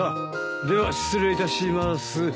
では失礼いたします。